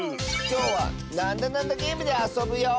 きょうは「なんだなんだゲーム」であそぶよ！